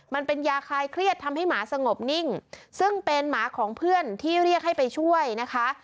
มันเป็นยาคลายเครียดทำให้หมาสงบนิ่งซึ่งเป็นหมาของเพื่อนที่เรียกให้ไปช่วยนะคะ